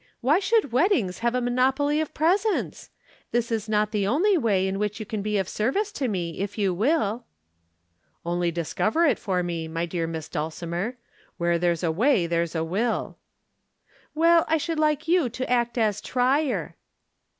Why should weddings have a monopoly of presents? This is not the only way in which you can be of service to me, if you will." "Only discover it for me, my dear Miss Dulcimer. Where there's a way there's a will." "Well, I should like you to act as Trier."